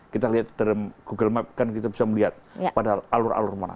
kita lihat dalam google map kan kita bisa melihat pada alur alur mana